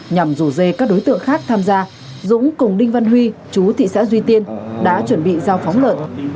nhằm rủ dê các đối tượng khác tham gia dũng cùng đinh văn huy chú thị xã duy tiên đã chuẩn bị giao phóng lợn